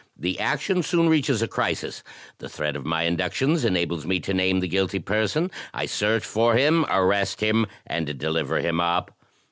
The action soon reaches a crisis; the thread of my inductions enables me to name the guilty person; I search for him, arrest him, and deliver him up.